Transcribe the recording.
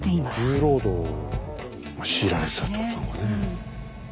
重労働を強いられてたってことなのかねえ。